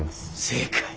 正解。